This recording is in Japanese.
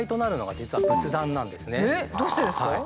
どうしてですか？